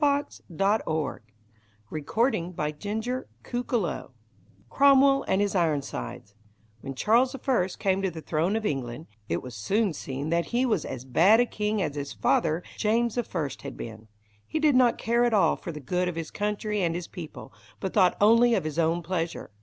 [Illustration: THE ARREST OF GUY FAWKES] =Cromwell and his Ironsides= When Charles I came to the throne of England, it was soon seen that he was as bad a king as his father James I had been. He did not care at all for the good of his country and his people, but thought only of his own pleasure.